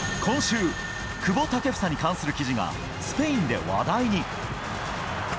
今週、久保建英に関する記事がスペインで話題に。